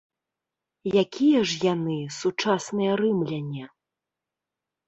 Якія ж яны, сучасныя рымляне?